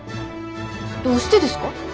どうしてですか？